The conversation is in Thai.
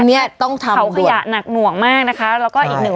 เขาขยะหนักหนวงมากนะคะ